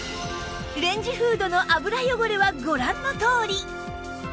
レンジフードの油汚れはご覧のとおり！